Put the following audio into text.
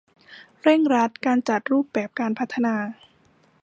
เร่งรัดการจัดรูปแบบการพัฒนา